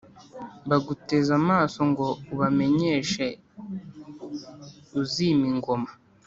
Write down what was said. Baguteze amaso ngo ubamenyeshe uzima ingoma